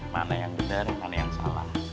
mana yang benar mana yang salah